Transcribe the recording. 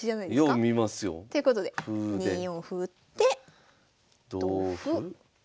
よう見ますよ。ということで２四歩打って同歩。